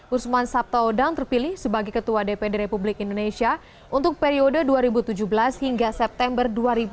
usman sabtaodang terpilih sebagai ketua dpd republik indonesia untuk periode dua ribu tujuh belas hingga september dua ribu dua puluh